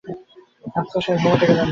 আফসার সাহেব ঘুমুতে গেলেন না।